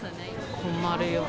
困るよね。